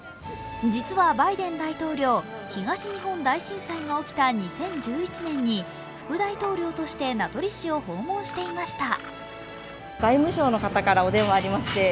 実はバイデン大統領東日本大震災が起きた２０１１年に副大統領として名取市を訪問していました。